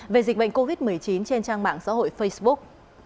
về dịch bệnh covid một mươi chín trên trang mạng xã hội facebook